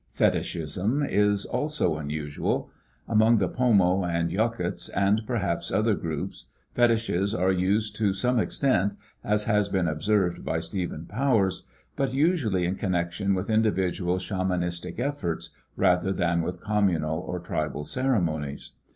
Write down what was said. Fetishism is also unusual. Among the Porno and Yokuts and perhaps other groups fetishes are used to some extent, as has been observed by Stephen Powers, but usually in connection with individual shamanistic efforts rather than with communal or tribal ceremonies.